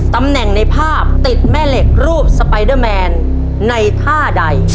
ตำแหน่งในภาพติดแม่เหล็กรูปสไปเดอร์แมนในท่าใด